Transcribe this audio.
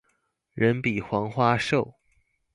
人比黄花瘦